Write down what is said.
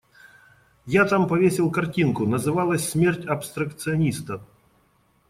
Я там повесил картинку, называлась «Смерть абстракциониста».